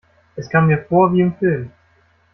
Es kam mir vor wie im Film.